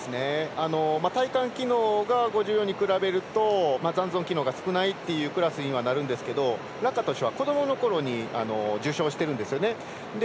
体幹機能が５４に比べると残存機能が少ないっていうクラスにはなるんですけどラカトシュは子どものころに受傷しているんですよね。